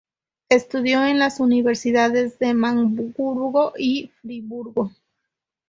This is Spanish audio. Estudió en las universidades de Marburgo y Friburgo.